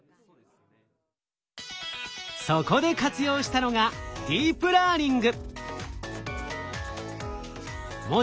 そこで活用したのがディープラーニング！